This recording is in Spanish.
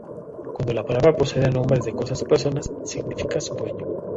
Cuando la palabra precede a nombres de cosas o personas, significa su dueño.